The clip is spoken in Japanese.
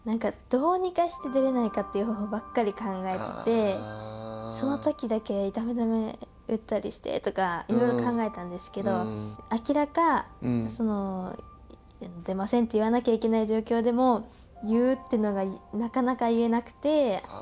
どうにかして出れないかという方法ばかり考えててそのときだけ痛み止めを打ったりしてとかいろいろ考えたんですけど明らか、出ませんと言わなきゃいけない状況でも言うというのがなかなか言えなくて。